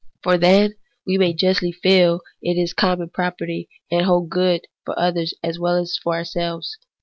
For then we may justly feel that it is common property, and holds good for others as well as for ourselves.